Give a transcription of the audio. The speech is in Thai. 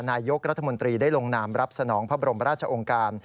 นายกรัฐมนตรีได้ลงนามรับสนองพระบรมราชองค์การ